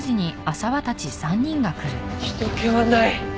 人けはない。